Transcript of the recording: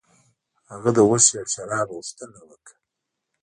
هغه د غوښې او شرابو غوښتنه وکړه.